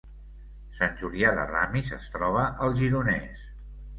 Sant Julià de Ramis es troba al Gironès